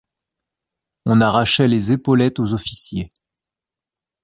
On arrachait les épaulettes aux officiers.